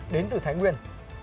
đến từ thái nguyên